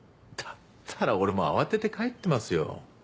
だったら俺も慌てて帰ってますよ。